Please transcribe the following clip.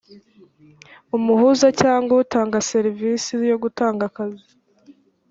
umuhuza cyangwa utanga serivisi yo gutanga akazi